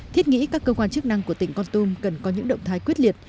thiết nghĩ các cơ quan chức năng của tỉnh con tum cần có những động thái quyết liệt